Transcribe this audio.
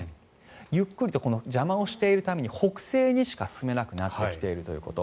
ゆっくりと邪魔をしているために北西にしか進めなくなってきているということ。